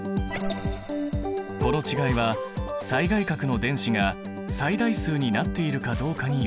この違いは最外殻の電子が最大数になっているかどうかによるもの。